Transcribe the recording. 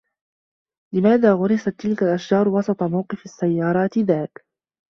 لماذا غُرست تلك الأشجار وسط موقف السّيّارات ذلك؟